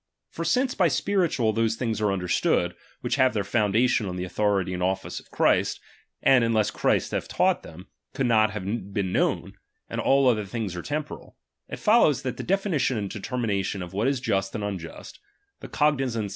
For since by spiritual, those things are understood, which have their foundation on the authority and office of Christ, and, unless Christ had taught them, could not have been known ; and all other things are temporal ; it follows, that the definition and deter minatlon of what is Just and unjust, the cognizance chap.